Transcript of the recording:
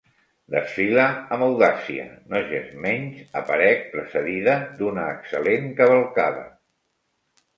Desfile amb audàcia, nogensmenys aparec precedida d’una excel·lent cavalcada.